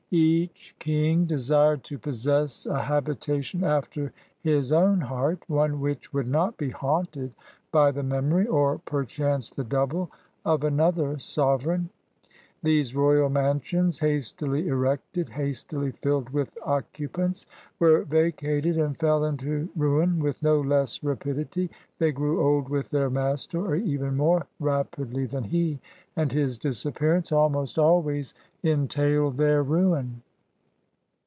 Each king desired to possess a habitation after his own heart, one which would not be haunted by the memory, or perchance the double, of another sovereign. These royal mansions, hastily erected, hastily filled with occupants, were vacated and fell into ruin with no less rapidity; they grew old with their master, or even more rapidly than he, and his disappearance almost always entailed their ruin.